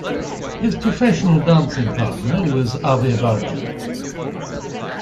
His professional dancing partner was Ave Vardja.